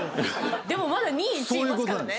でもまだ２位１位いますからね。